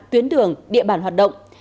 tuyến đường địa bàn hoạt động